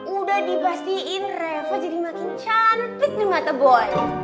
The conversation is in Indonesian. udah dibastiin reva jadi makin cantik nih mata boy